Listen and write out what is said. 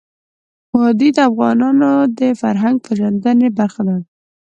وادي د افغانانو د فرهنګ پیژندني برخه ده.